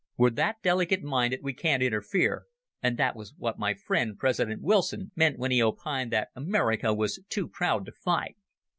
We're that delicate minded we can't interfere and that was what my friend, President Wilson, meant when he opined that America was too proud to fight.